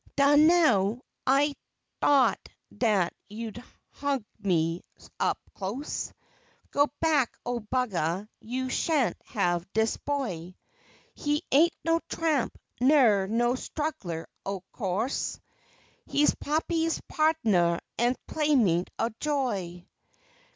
Dah, now, I t'ought dat you'd hug me up close. Go back, ol' buggah, you sha'n't have dis boy. He ain't no tramp, ner no straggler, of co'se; He's pappy's pa'dner an' playmate an' joy.